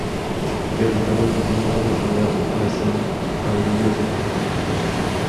Su territorio contiene una ciudad, Lansing, a orillas del Misisipi.